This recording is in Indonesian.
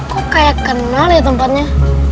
kok kayak kenal ya tempatnya